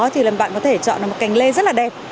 thì bạn có thể chọn một cành lê rất là đẹp